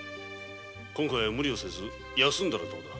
今回は無理をせず休んだらどうだ？